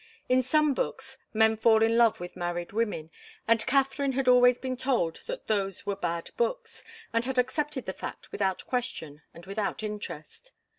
In some books, men fall in love with married women, and Katharine had always been told that those were bad books, and had accepted the fact without question and without interest.